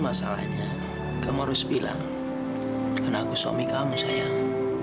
masalahnya kamu harus bilang karena aku suami kamu sayang